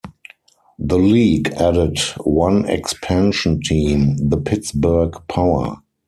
The league added one expansion team, the Pittsburgh Power.